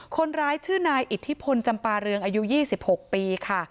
คนร้ายชื่อนายอิทธิพลจำปาเรืองอายุ๒๖ปีค่ะ